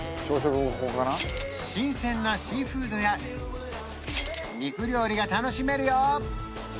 新鮮なシーフードや肉料理が楽しめるよ